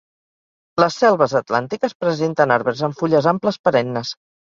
Les selves atlàntiques presenten arbres amb fulles amples perennes.